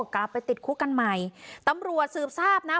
กลับไปติดคุกกันใหม่ตำรวจสืบทราบนะ